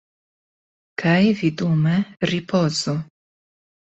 Kaj vi dume ripozu.